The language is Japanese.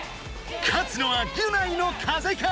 勝つのはギュナイの風か⁉